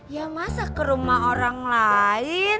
ya masa ke rumah orang lain